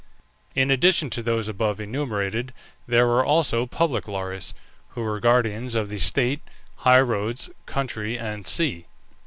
In addition to those above enumerated there were also public Lares, who were guardians of the state, highroads, country, and sea.